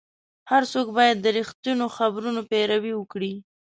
هر څوک باید د رښتینو خبرونو پیروي وکړي.